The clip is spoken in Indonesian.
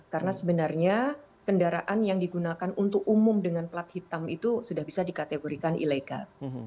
karena sebenarnya kendaraan yang digunakan untuk umum dengan plat hitam itu sudah bisa dikategorikan ilegal